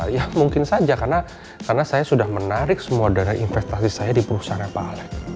ya mungkin saja karena saya sudah menarik semua dana investasi saya di perusahaannya pak alex